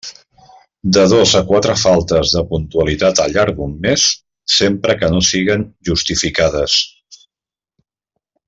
De dos a quatre faltes de puntualitat al llarg d'un mes, sempre que no siguen justificades.